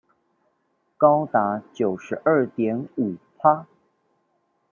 高達九十二點五趴